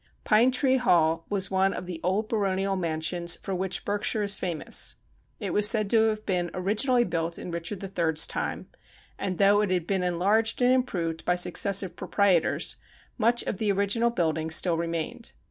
Pine Tree Hall was one of the old baronial mansions for which Berkshire is famous. It was said to have been origin ally built in Bichard the Third's time, and though it had been enlarged and improved by successive proprietors, much of the original building still remained.